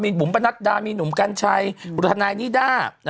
มีบุ๋มประนัดดามีหนุ่มกัญชัยบุรทนายนิด้า